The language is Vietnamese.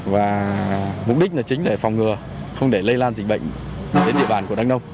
và mục đích chính là để phòng ngừa không để lây lan dịch bệnh đến địa bàn của đắk nông